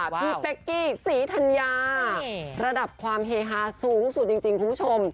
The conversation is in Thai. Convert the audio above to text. พี่เป๊กกี้ศรีธัญญาระดับความเฮฮาสูงสุดจริงคุณผู้ชม